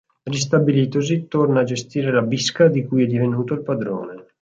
Ristabilitosi, torna a gestire la bisca di cui è divenuto il padrone.